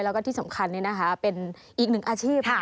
แล้วก็ที่สำคัญเป็นอีกหนึ่งอาชีพค่ะ